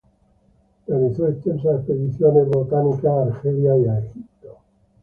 Realizó extensas expediciones botánicas a Argelia, y a Egipto.